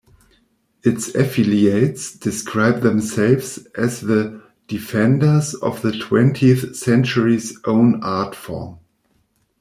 Its affiliates describe themselves as "the defenders of the twentieth century's own art form".